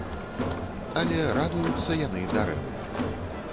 Але радуюцца яны дарэмна.